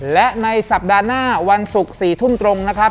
และในสัปดาห์หน้าวันศุกร์๔ทุ่มตรงนะครับ